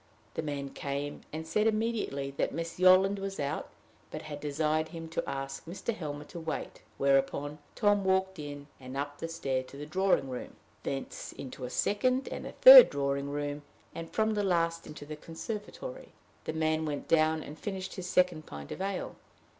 The man came, and said immediately that Miss Yolland was out, but had desired him to ask Mr. Helmer to wait; whereupon Tom walked in, and up the stair to the drawing room, thence into a second and a third drawing room, and from the last into the conservatory. The man went down and finished his second, pint of ale.